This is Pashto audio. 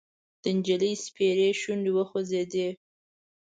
د نجلۍ سپېرې شونډې وخوځېدې: